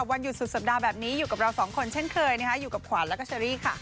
วันหยุดสุดสัปดาห์แบบนี้อยู่กับเราสองคนเช่นเคยนะคะอยู่กับขวานแล้วก็เชอรี่ค่ะ